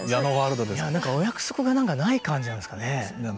何かお約束がない感じなんですかね。